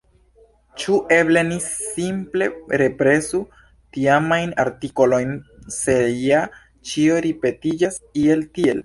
Ĉu eble ni simple represu tiamajn artikolojn, se ja ĉio ripetiĝas, iel tiel?